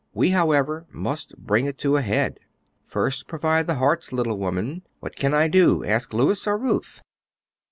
We, however, must bring it to a head." "First provide the hearts, little woman. What can I do, ask Louis or Ruth?"